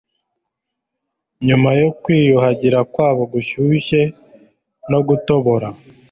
nyuma yo kwiyuhagira kwabo gushyushye no gutobora